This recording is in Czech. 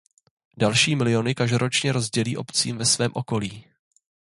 Další miliony každoročně rozdělí obcím ve svém okolí.